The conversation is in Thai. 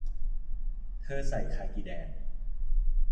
เธอใส่คาร์กิแดน